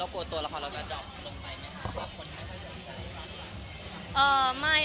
เรากลัวตัวละครเราจะดอกลงไปไหมค่ะหรือว่าคนไทยค่อยจะพิจารณ์ให้ฟังไหมค่ะ